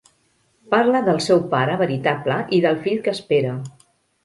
Parla del seu pare veritable i del fill que espera.